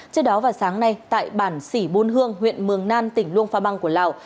trước đó vào sáng nay tại bản sỉ buôn hương huyện mường nan tỉnh luông pha băng của lào